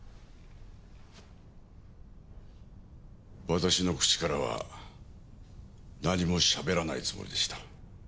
私の口からは何も喋らないつもりでした。